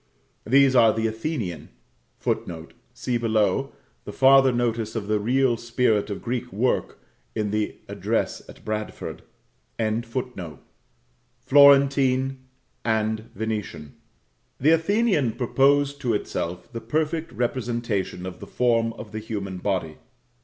These are the Athenian, [Footnote: See below, the farther notice of the real spirit of Greek work, in the address at Bradford.] Florentine, and Venetian. The Athenian proposed to itself the perfect representation of the form of the human body.